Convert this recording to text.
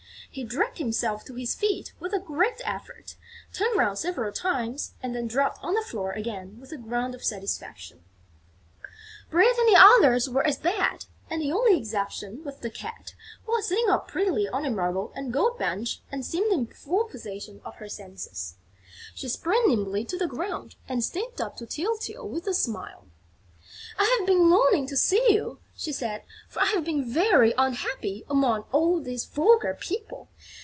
He dragged himself to his feet with a great effort, turned round several times and then dropped on the floor again with a grunt of satisfaction. Bread and the others were as bad; and the only exception was the Cat, who was sitting up prettily on a marble and gold bench and seemed in full possession of her senses. She sprang nimbly to the ground and stepped up to Tyltyl with a smile: "I have been longing to see you," she said, "for I have been very unhappy among all these vulgar people.